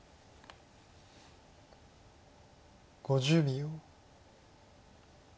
５０秒。